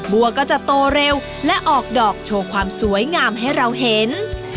บัวก็จะโตเร็วและออกดอกโชว์ความสวยงามให้เราเห็น